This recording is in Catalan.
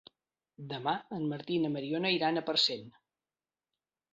Demà en Martí i na Mariona iran a Parcent.